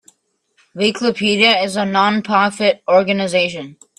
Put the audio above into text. Wikipedia is a non-profit organization.